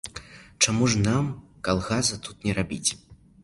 Чаму ж нам калгаса тут не рабіць?